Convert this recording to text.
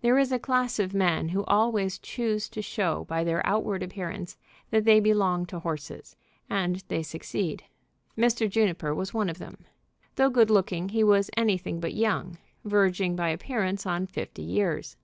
There is a class of men who always choose to show by their outward appearance that they belong to horses, and they succeed. Mr. Juniper was one of them. Though good looking he was anything but young, verging by appearance on fifty years.